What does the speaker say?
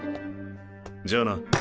じゃあな。